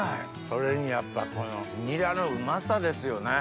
それにやっぱこのニラのうまさですよね。